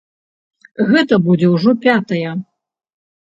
Гэта будзе ўжо пятая.